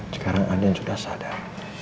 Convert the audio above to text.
sekarang andien sudah sadar